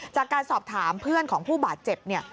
จากการสอบถามเพื่อนของผู้บาดเจ็บเนี่ย